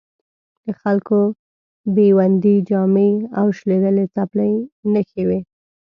د خلکو بیوندي جامې او شلېدلې څپلۍ نښې وې.